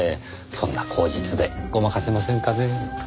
そんな口実でごまかせませんかねぇ。